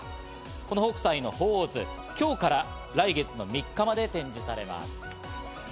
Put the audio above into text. この北斎の鳳凰図、今日から来月の３日まで展示されます。